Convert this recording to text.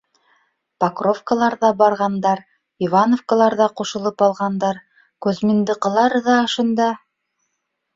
Покровкалар ҙа барғандар, Ивановкалар ҙа ҡушылып алғандар, Кузьминдыҡылар ҙа шунда.